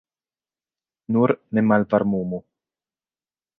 Nur ne malvarmumu.